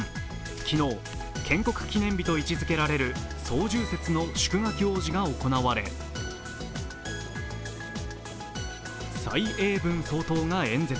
昨日建国記念日と位置づけられる双十節の祝賀行事が行われ蔡英文総統が演説。